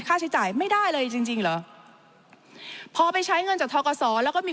ค่าใช้จ่ายไม่ได้เลยจริงจริงเหรอพอไปใช้เงินจากทกศแล้วก็มี